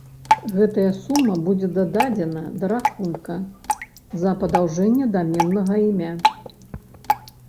Гэтая сума будзе дададзеная да рахунка за падаўжэнне даменнага імя.